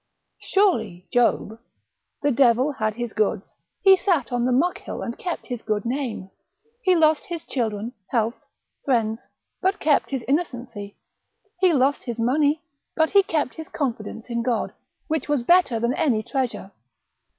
surely Job; the devil had his goods, he sat on the muck hill and kept his good name; he lost his children, health, friends, but he kept his innocency; he lost his money, but he kept his confidence in God, which was better than any treasure.